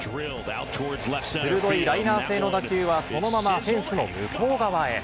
鋭いライナー性の打球は、そのままフェンスの向こう側へ。